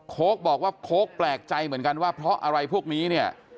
บอกว่าโค้กแปลกใจเหมือนกันว่าเพราะอะไรพวกนี้เนี่ย